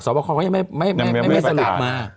บคอเขายังไม่สลากมา